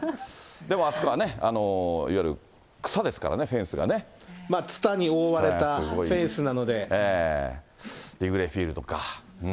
でもあそこはね、いわゆる草ですからね、つたに覆われたフェンスなのリグレーフィールドか。